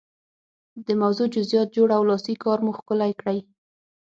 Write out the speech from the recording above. د موضوع جزئیات جوړ او لاسي کار مو ښکلی کړئ.